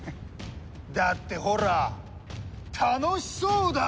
だってほら楽しそうだから！